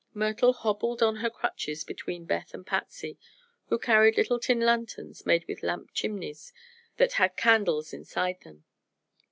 Myrtle hobbled on her crutches between Beth and Patsy, who carried little tin lanterns made with lamp chimneys that had candles inside them.